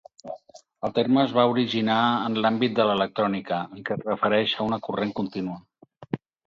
El terme es va originar en l'àmbit de l'electrònica en què es refereix a una corrent continua.